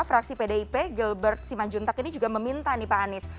fraksi pdip gilbert simanjuntak ini juga meminta nih pak anies